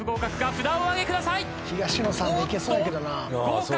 札をお挙げください。